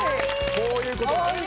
こういうことだ。